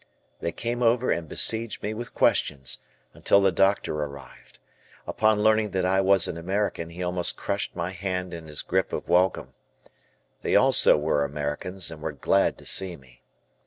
They came over and besieged me with questions, until the doctor arrived. Upon learning that I was an American he almost crushed my hand in his grip of welcome. They also were Americans, and were glad to see me.